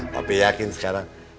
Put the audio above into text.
papi yakin sekarang